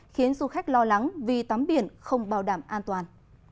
khiến du khách lo lắng vì tắm biển không bảo đảm an toàn